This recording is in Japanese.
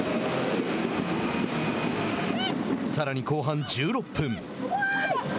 さらに後半１６分。